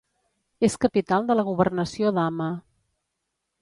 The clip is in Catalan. És capital de la governació d'Hama.